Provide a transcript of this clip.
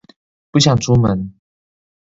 不想出門